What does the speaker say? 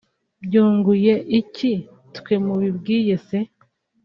byunguye iki twe mubibwiye se